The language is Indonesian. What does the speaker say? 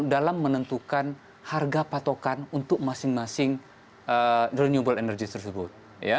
dalam menentukan harga patokan untuk masing masing renewable energy tersebut